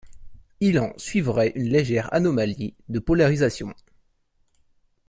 Il en suivrait une légère anomalie de polarisation.